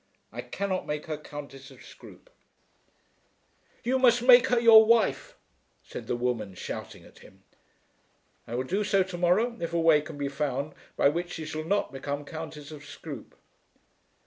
I cannot make her Countess of Scroope." "You must make her your wife," said the woman, shouting at him. "I will do so to morrow if a way can be found by which she shall not become Countess of Scroope."